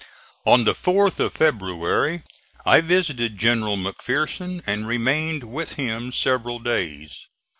On the 4th of February I visited General McPherson, and remained with him several days.